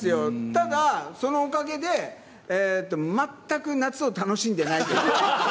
ただ、そのおかげで、全く夏を楽しんでないと。